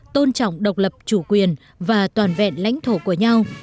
tôn trọng độc lập chủ quyền và toàn vẹn lãnh thổ của nhau